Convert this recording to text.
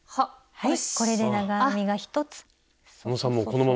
はい。